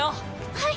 はい。